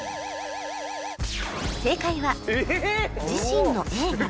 正解は自身の映画